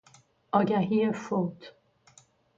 آگهی فوت